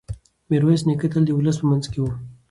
میرویس نیکه تل د ولس په منځ کې و.